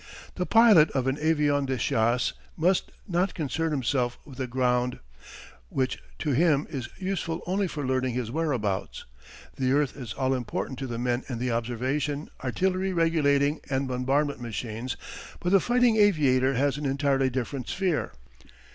The pilot of an avion de chasse must not concern himself with the ground, which to him is useful only for learning his whereabouts. The earth is all important to the men in the observation, artillery regulating, and bombardment machines, but the fighting aviator has an entirely different sphere.